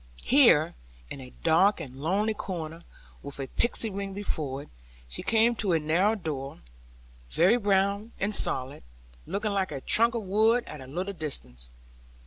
Here in a dark and lonely corner, with a pixie ring before it, she came to a narrow door, very brown and solid, looking like a trunk of wood at a little distance.